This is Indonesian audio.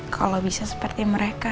kalau bisa seperti mereka